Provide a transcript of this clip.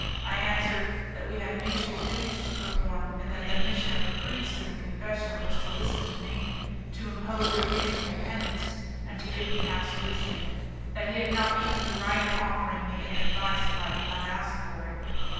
I answered that we had mutual duties to perform, and that the mission of a priest in the confessional was to listen to me, to impose a reasonable penance, and to give me absolution; that he had not even the right of offering me any advice if I did not ask for it.